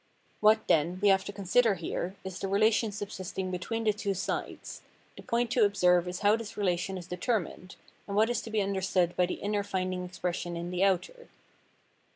What, then, we have to con sider here is the relation subsisting between the two sides ; the point to observe is how this relation is determined, and what is to be understood by the inner finding expression in the outer.